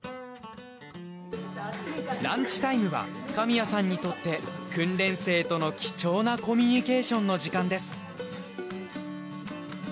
ランチタイムは神谷さんにとって訓練生との貴重なコミュニケーションの時間です。